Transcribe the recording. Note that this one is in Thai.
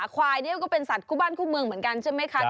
ขอยนี้คือสัตว์คูบ้านคู่เมืองเหมือนกันใช่ไหมคะ